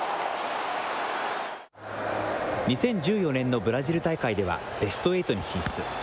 ２０１４年のブラジル大会ではベスト８に進出。